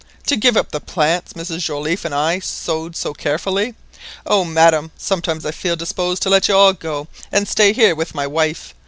To give up the plants Mrs Joliffe and I sowed so carefully!... O madam, sometimes I feel disposed to let you all go, and stay here with my wife!